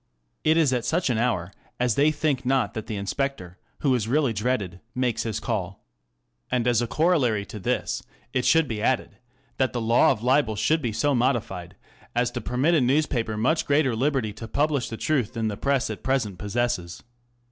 It is at such an hour as they think not that the inspector, who is really dreaded, makes his call. And as a corollary to this it should be added that the law of libel should be so modified as to permit a newspaper much greater liberty to publish the truth than the Press at present possesses.